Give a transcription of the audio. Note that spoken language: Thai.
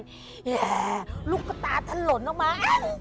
ก็แห่ลูกตาทันหล่นออกมา